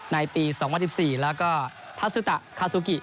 ในปี๒๐๑๔แล้วก็ทัศุตะคาซูกิ